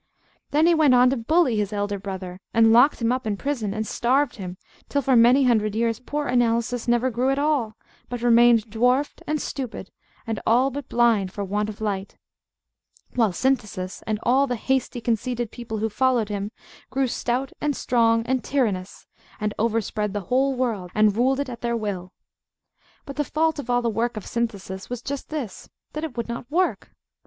Then he went on to bully his elder brother, and locked him up in prison, and starved him, till for many hundred years poor Analysis never grew at all, but remained dwarfed, and stupid, and all but blind for want of light; while Synthesis, and all the hasty conceited people who followed him, grew stout and strong and tyrannous, and overspread the whole world, and ruled it at their will. But the fault of all the work of Synthesis was just this: that it would not work.